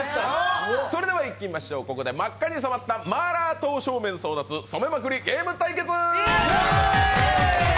それではいきましょう、ここで真っ赤に染まったマーラー刀削麺争奪、染めまくりゲーム対決！